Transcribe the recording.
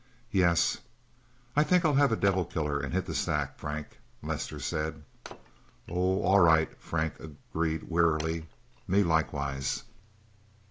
"Yes I think I'll have a devil killer and hit the sack, Frank," Lester said. "Oh all right," Frank agreed wearily. "Me, likewise."